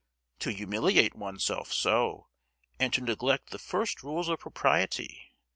"To humiliate oneself so, and to neglect the first rules of propriety!